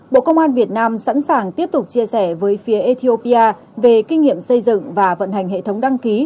bộ công an việt nam sẵn sàng tiếp tục chia sẻ với phía ethiopia về kinh nghiệm xây dựng và vận hành hệ thống đăng ký